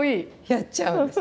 やっちゃうんです。